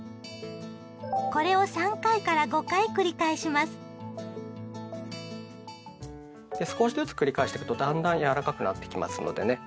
これをで少しずつ繰り返していくとだんだん柔らかくなっていきますのでね。